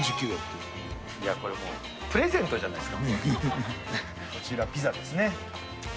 いや、これもうプレゼントじゃなこちらピザですね。